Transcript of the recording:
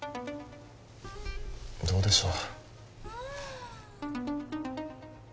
どうでしょう